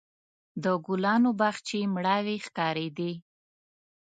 د ګلانو باغچې مړاوې ښکارېدې.